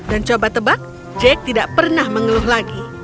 dan coba tebak jack tidak pernah mengeluh lagi